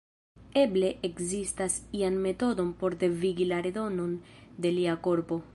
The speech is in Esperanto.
Eble ekzistas ian metodon por devigi la redonon de lia korpo.